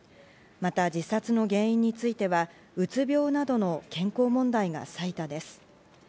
また自殺の原因については、うつ病などの健康問題が最多です。